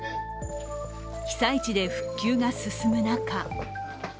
被災地で復旧が進む中